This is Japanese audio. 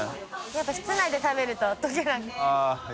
やっぱ室内で食べると溶けない。